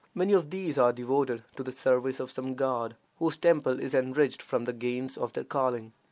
Many of these are devoted to the service of some god, whose temple is enriched from the gains of their calling.